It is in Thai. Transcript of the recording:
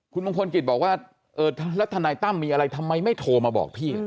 คุณมงคลกิจบอกว่าเออแล้วทนายตั้มมีอะไรทำไมไม่โทรมาบอกพี่